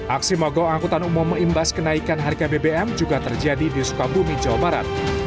aksi mogok angkutan umum mengimbas kenaikan harga bbm juga terjadi di sukabumi jawa barat